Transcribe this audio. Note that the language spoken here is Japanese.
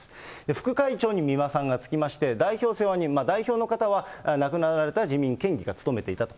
副会長に美馬さんがつきまして、代表世話人、代表の方は亡くなられた自民県議が務めていたと。